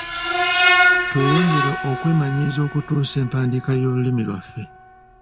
Tweyongere okwemanyiiza okutuusa empandiika y’olulimi lwaffe.